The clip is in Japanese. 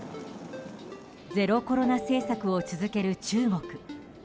ゼロコロナ政策を続ける中国。